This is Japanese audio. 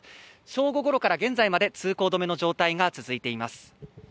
正午ごろから現在まで、通行止めの状態が続いています。